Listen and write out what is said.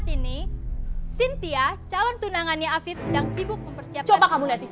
itu sebabnya afif ter singing